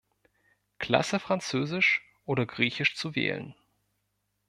Klasse Französisch oder Griechisch zu wählen.